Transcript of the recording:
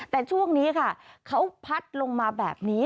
แต่ช่วงนี้ค่ะเขาพัดลงมาแบบนี้